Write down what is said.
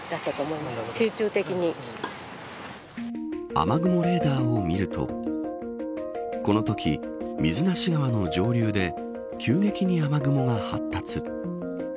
雨雲レーダーを見るとこのとき水無川の上流で急激に雨雲が発達。